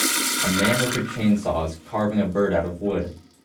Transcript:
A man with a chainsaw is carving a bird out of wood